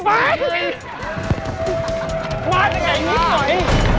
มาได้ไก่นิดหน่อย